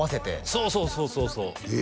そうそうそうそうそうえ